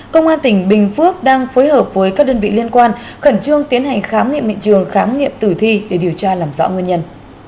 công an tỉnh bình phước đang phối hợp với các đơn vị liên quan khẩn trương tiến hành khám nghiệm bệnh trường khám nghiệm tử thi để điều tra làm rõ nguyên nhân